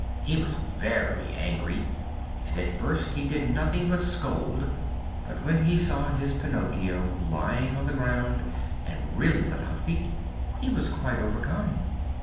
He was very angry and at first he did nothing but scold; but when he saw his Pinocchio lying on the ground and really without feet he was quite overcome.